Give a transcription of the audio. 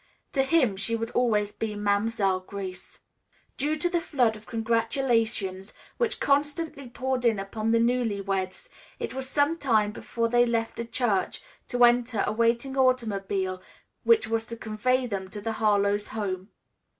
To him she would always be Mam'selle Grace. Due to the flood of congratulations which constantly poured in upon the newly weds, it was some time before they left the church to enter a waiting automobile which was to convey them to the Harlowes' home.